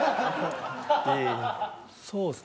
そうっすね